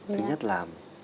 thứ nhất là